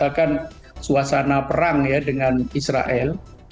bahkan suasana perang ya dengan israel